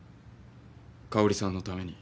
香織さんのために。